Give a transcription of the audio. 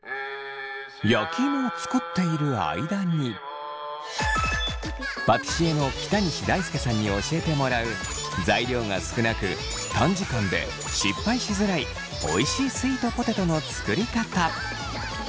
焼き芋を作っている間にパティシエの北西大輔さんに教えてもらう材料が少なく短時間で失敗しづらいおいしいスイートポテトの作りかた。